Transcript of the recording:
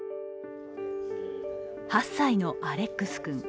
８歳のアレックス君。